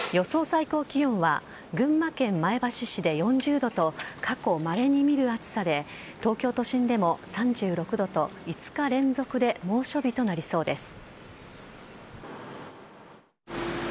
最高気温は群馬県前橋市で４０度と過去まれに見る暑さで東京都心でも３６度と５日連続で猛暑日となりそうです。